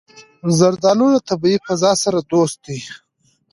زردالو له طبیعي فضا سره دوست دی.